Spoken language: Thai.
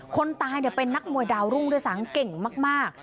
คนตายเป็นนักมวยดาวรุ่งด้วยซ้ำเก่งมาก